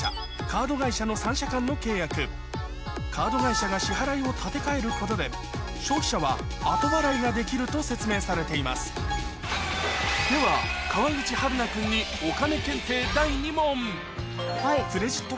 カード会社の三者間の契約カード会社が支払いを立て替えることで消費者は後払いができると説明されていますでは川口春奈君にえっ？